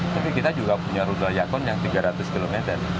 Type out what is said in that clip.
tapi kita juga punya rudal yakon yang tiga ratus km